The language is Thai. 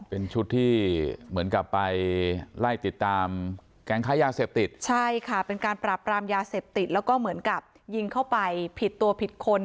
เป็นชุดที่เหมือนกับไปไล่ติดตามแก๊งค้ายาเสพติดใช่ค่ะเป็นการปราบปรามยาเสพติดแล้วก็เหมือนกับยิงเข้าไปผิดตัวผิดคน